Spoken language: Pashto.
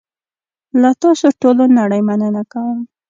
له تاسوټولونړۍ مننه کوم .